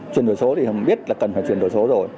chuyển đổi số thì biết là cần phải chuyển đổi số rồi